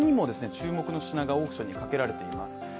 注目の品がオークションにかけられました。